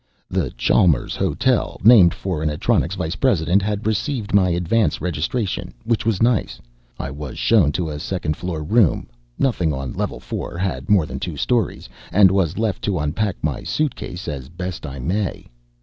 The Chalmers Hotel named for an Atronics vice president had received my advance registration, which was nice. I was shown to a second floor room nothing on level four had more than two stories and was left to unpack my suitcases as best I may.